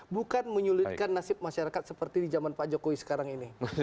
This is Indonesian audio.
bukan menyulitkan nasib masyarakat seperti di zaman pak jokowi sekarang ini